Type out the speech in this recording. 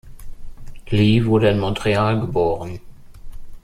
Lee wurde in Montreal geboren.